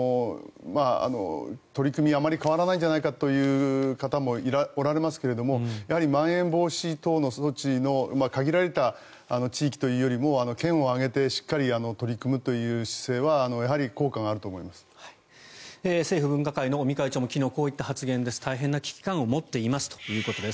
取り組みあまり変わらないんじゃないかと言う方もおられますけどまん延防止等重点措置の限られた地域というよりも県を挙げてしっかりと取り組むという姿勢は政府分科会の尾身会長も昨日こういった発言です。